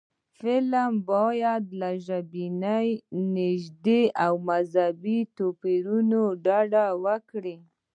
فلم باید له ژبني، نژادي او مذهبي توپیرونو ډډه وکړي